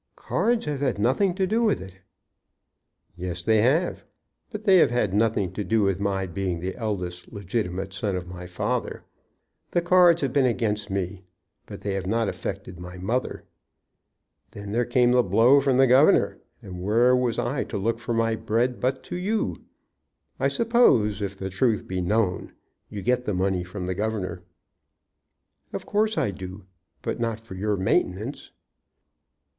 "Cards have had nothing to do with it." "Yes; they have. But they have had nothing to do with my being the eldest legitimate son of my father. The cards have been against me, but they have not affected my mother. Then there came the blow from the governor, and where was I to look for my bread but to you? I suppose, if the truth be known, you get the money from the governor." "Of course I do. But not for your maintenance."